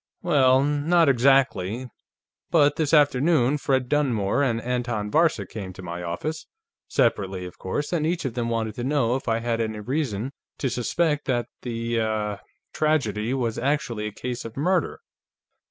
"Well, not exactly. But this afternoon, Fred Dunmore and Anton Varcek came to my office, separately, of course, and each of them wanted to know if I had any reason to suspect that the, uh, tragedy, was actually a case of murder.